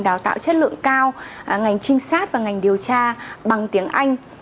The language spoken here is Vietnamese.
đào tạo chất lượng cao ngành trinh sát và ngành điều tra bằng tiếng anh